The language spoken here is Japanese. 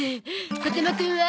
風間くんは？